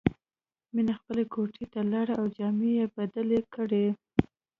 مینه خپلې کوټې ته لاړه او جامې یې بدلې کړې